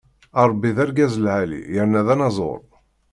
Ṛebbi d argaz lɛali yerna d anaẓur.